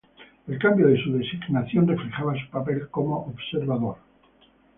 El cambio de su designación reflejaba su papel como observadores.